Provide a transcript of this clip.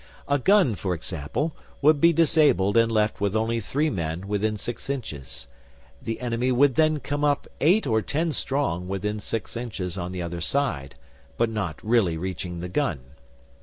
A gun, for example, would be disabled and left with only three men within six inches; the enemy would then come up eight or ten strong within six inches on the other side, but not really reaching the gun.